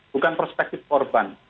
bukan perspektif korban